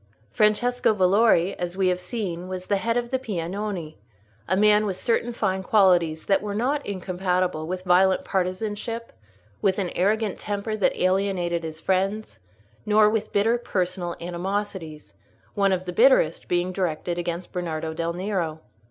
Francesco Valori, as we have seen, was the head of the Piagnoni, a man with certain fine qualities that were not incompatible with violent partisanship, with an arrogant temper that alienated his friends, nor with bitter personal animosities—one of the bitterest being directed against Bernardo del Nero.